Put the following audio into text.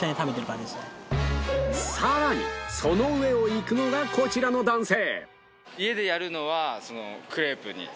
更にその上をいくのがこちらの男性